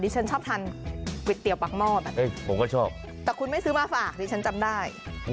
ดิฉันชอบทานก๋วยเตี๋ยวปากหม้อแบบนี้แต่คุณไม่ซื้อมาฝากดิฉันจำได้ผมก็ชอบ